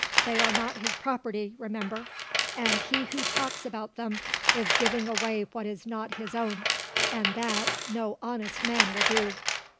They are not his property, remember; and he who talks about them is giving away what is not his own, and that no honest man will do."